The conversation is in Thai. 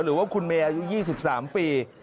หรือว่าคุณเมย์อายุ๒๓ปี